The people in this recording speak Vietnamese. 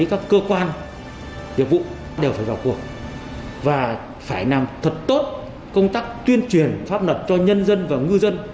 các cơ quan nghiệp vụ đều phải vào cuộc và phải làm thật tốt công tác tuyên truyền pháp luật cho nhân dân và ngư dân